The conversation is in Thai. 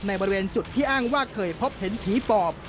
บริเวณจุดที่อ้างว่าเคยพบเห็นผีปอบ